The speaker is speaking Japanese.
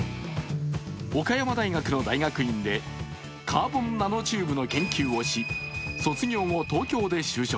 岡山大学の大学院でカーボンナノチューブの研究をし、卒業後、東京で就職。